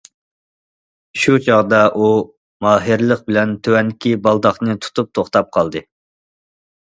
شۇ چاغدا ئۇ ماھىرلىق بىلەن تۆۋەنكى بالداقنى تۇتۇپ توختاپ قالدى.